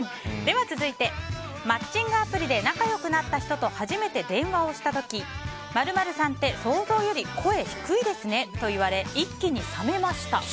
続いて、マッチングアプリで仲良くなった人と初めて電話をした時○○さんって想像より声低いですねと言われ何で？